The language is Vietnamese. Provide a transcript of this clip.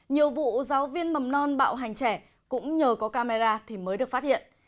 nhiều vụ giáo viên mầm non bạo hành trẻ cũng nhờ có camera thì mới được phát hiện